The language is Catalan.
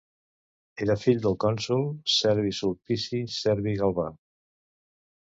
Era fill del cònsol Servi Sulpici Servi Galba.